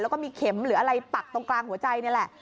แล้วก็มีเข็มหรืออะไรปักตรงกลางหัวใจนี่แหละ